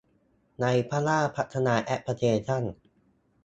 ในพม่าพัฒนาแอพพลิเคชั่น